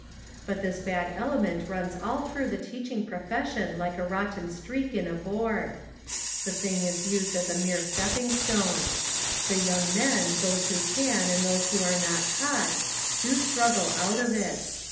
But this bad element runs all through the teaching profession like a rot ten streak in a board. The thing is used as a mere stepping stone. The young men, those who can and who are not caught, do struggle out of it.